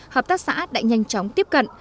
hợp tác xã đã nhanh chóng tiếp cận